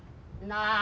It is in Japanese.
なあ。